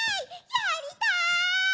やりたい！